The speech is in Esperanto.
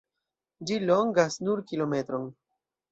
Ĝi longas nur kilometron.